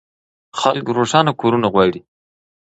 خلک روښانه کورونه غواړي.